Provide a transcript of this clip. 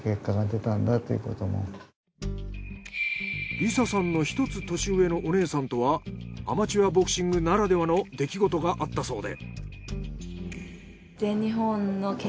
輪幸さんの１つ年上のお姉さんとはアマチュアボクシングならではの出来事があったそうで。